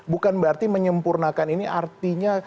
bukan berarti menyempurnakan ini artinya